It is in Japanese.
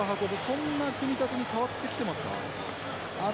そんな組み立てに変わってきてますか？